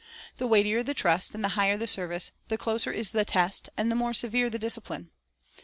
The weightier the trust and the higher the service, the closer is the test and the more severe the discipline.